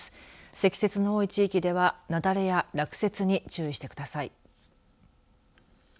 積雪の多い地域では雪崩や落雪に注意してください。